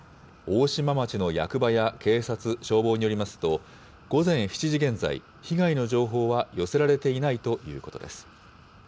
大島町の役場や警察、消防によりますと、午前７時現在、被害の情報は寄せられていないということです。